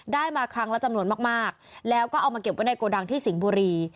ได้มาครั้งละจำนวนมากแล้วก็เอามาเก็บไว้ในโกดังที่สิงห์บุรี